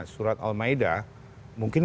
surat al maida mungkin